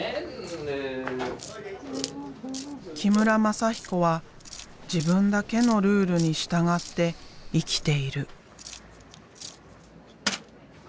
木村全彦は自分だけのルールに従って生きている。